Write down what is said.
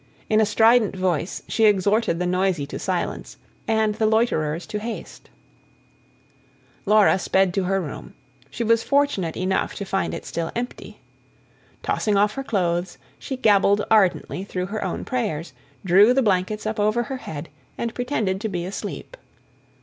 In a strident voice she exhorted the noisy to silence, and the loiterers to haste. Laura sped to her room. She was fortunate enough to find it still empty. Tossing off her clothes, she gabbled ardently through her own prayers, drew the blankets up over her head, and pretended to be asleep.